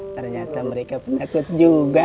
ternyata mereka penakut juga